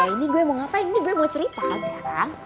ya ini gue mau ngapain ini gue mau cerita